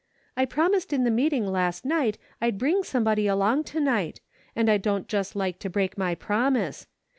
I promised in the meeting last night I'd bring somebody along to night and I don't just like to break my promise.